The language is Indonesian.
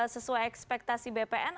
sesuai ekspektasi bpn